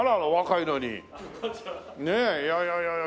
いやいやいやいや。